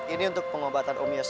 ini untuk pengobatan om yus